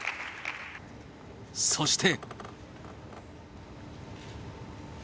そして。